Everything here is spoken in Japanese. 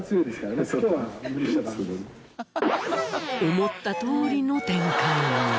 思ったとおりの展開に。